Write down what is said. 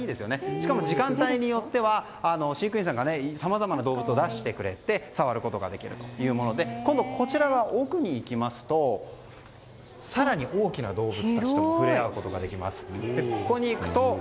しかも時間帯によっては飼育員さんがさまざまな動物を出してくれて触ることができるというもので今度、奥に行きますと更に大きな動物たちとも触れ合うことができます。